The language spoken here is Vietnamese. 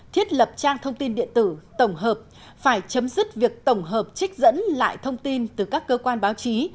thiết lập trang thông tin điện tử tổng hợp phải chấm dứt việc tổng hợp trích dẫn lại thông tin từ các cơ quan báo chí